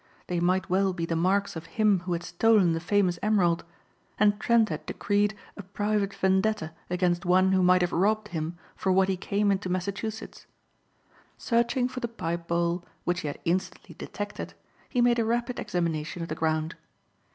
They might well be the marks of him who had stolen the famous emerald and Trent had decreed a private vendetta against one who might have robbed him for what he came into Massachusetts. Searching for the pipe bowl which he had instantly detected he made a rapid examination of the ground.